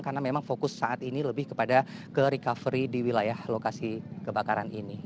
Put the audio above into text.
karena memang fokus saat ini lebih kepada ke recovery di wilayah lokasi kebakaran ini